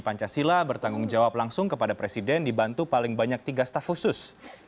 pancasila bertanggung jawab langsung kepada presiden dibantu paling banyak tiga staf khusus